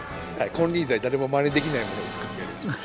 金輪際誰もまねできないものを作ってやりましょう。